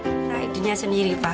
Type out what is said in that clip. nah idinya sendiri pak